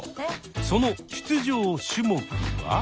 その出場種目は。